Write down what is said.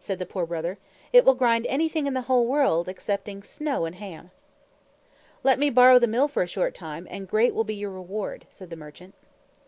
said the Poor Brother. "It will grind anything in the whole world excepting snow and ham." "Let me borrow the Mill for a short time, and great will be your reward," said the merchant.